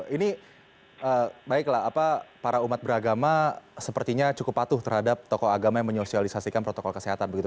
ini baiklah apa para umat beragama sepertinya cukup patuh terhadap tokoh agama yang menyosialisasikan protokol kesehatan begitu